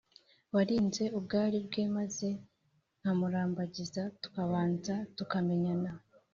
warinze ubwari bwe maze nkamurambagiza tukabanza tukamenyana,